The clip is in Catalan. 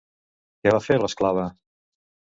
Què va fer l'esclava?